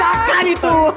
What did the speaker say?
hah kok rasakan itu